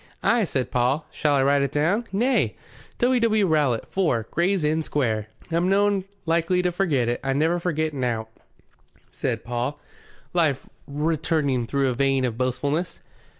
"Ay," said Paul. "Shall I write it down?" "Nay. 'W. W. Rowlatt, 4, Gray's Inn Square.' I'm noan likely to forget it. I never forget nowt," said Paul, life returning through a vein of boastfulness.